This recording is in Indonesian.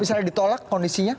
misalnya ditolak kondisinya